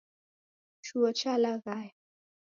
Chuo chalaghaya.